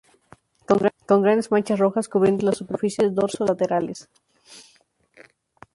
Con grandes manchas rojas cubriendo las superficies dorso-laterales.